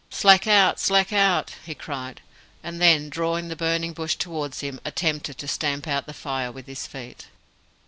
"Slack out! slack out!" he cried; and then, drawing the burning bush towards him, attempted to stamp out the fire with his feet.